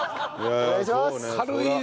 お願いします！